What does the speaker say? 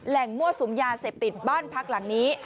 มั่วสุมยาเสพติดบ้านพักหลังนี้